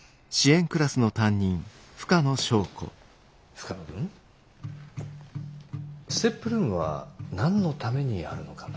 深野君ＳＴＥＰルームは何のためにあるのかな？